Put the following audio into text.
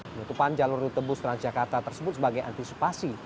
penutupan jalur rute bus transjakarta tersebut sebagai antisipasi